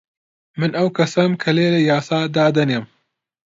من ئەو کەسەم کە لێرە یاسا دادەنێم.